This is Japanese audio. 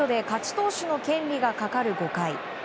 投手の権利がかかる５回。